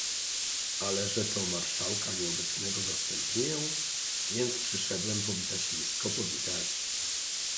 "Ale że to marszałka nieobecnego zastępuję, więc przyszedłem powitać, nisko powitać!"